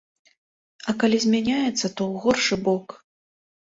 А калі змяняецца, то ў горшы бок.